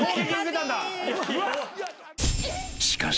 ［しかし］